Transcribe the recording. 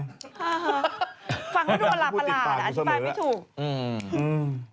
ฟังไม่ถูกประหลาดประหลาดอธิบายไม่ถูก